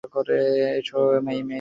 এসো, মেই-মেই।